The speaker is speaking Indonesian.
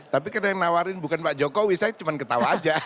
tapi karena yang nawarin bukan pak jokowi saya cuma ketawa aja